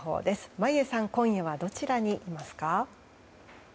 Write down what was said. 眞家さん今夜はどちらにいますか？